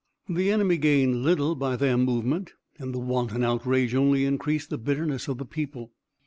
The enemy gained little by their movement, and the wanton outrage only increased the bitterness of the people.